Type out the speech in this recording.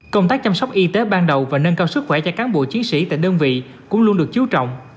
công tác chăm sóc y tế ban đầu và nâng cao sức khỏe cho cán bộ chiến sĩ tại đơn vị cũng luôn được chú trọng